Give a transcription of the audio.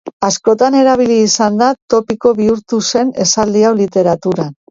Askotan erabili izan da topiko bihurtu zen esaldi hau literaturan.